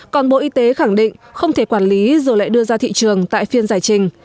còn bộ y tế khẳng định không thể quản lý rồi lại đưa ra thị trường tại phiên giải trình